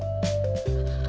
kalau lah kalau di pulau kita